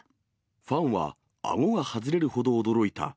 ファンはあごが外れるほど驚いた。